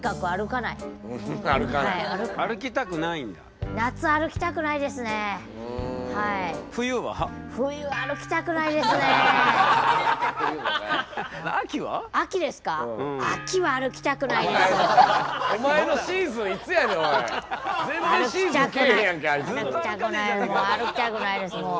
歩きたくない歩きたくないですもう。